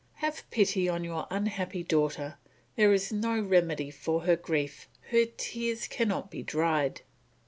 "Have pity on your unhappy daughter, there is no remedy for her grief, her tears cannot be dried.